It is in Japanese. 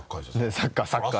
サッカーサッカー。